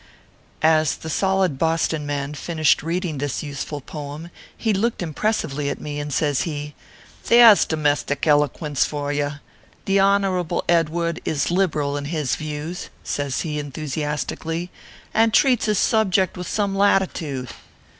As the solid Boston man finished reading this use ful poem, he looked impressively at me, and says he :" There s domestic eloquence for you ! The Hon orable Edward is liberal in his views/ says he, en thusiastically, " and treats his subject with some lati tude."